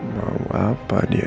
mau apa dia